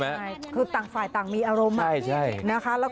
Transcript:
ไม่เคยไล่เลย